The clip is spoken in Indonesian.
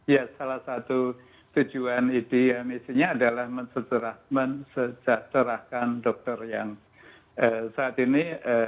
ya salah satu tujuan itu yang isinya adalah mensejahterakan dokter yang saat ini